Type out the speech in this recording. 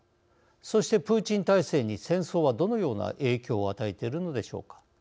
そして、プーチン体制に戦争はどのような影響を与えているのでしょうか。